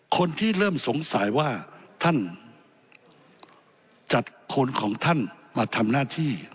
คนที่เริ่มสงสัยว่าท่านจัดคนของท่านมาทำหน้าที่